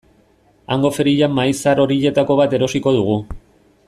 Hango ferian mahai zahar horietako bat erosiko dugu.